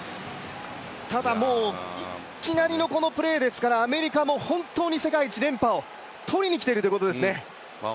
ただ、いきなりのこのプレーですから、アメリカも本当に世界一をとりにきていますよね。